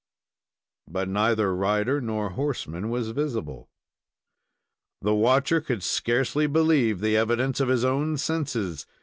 But neither rider nor horseman was visible. The watcher could scarcely believe the evidence of his own senses.